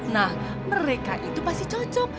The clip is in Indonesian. nah mereka itu pasti cocok